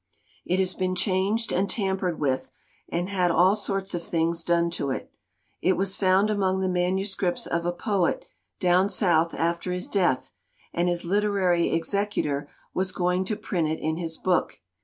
"It has been changed and tampered with and had all sorts of things done to it. It was found among the manuscripts of a poet down South after his death, and his literary executor was going to print it in his book.